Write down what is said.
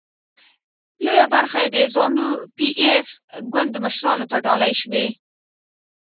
لویه برخه یې د زانو پي ایف ګوند مشرانو ته ډالۍ شوې.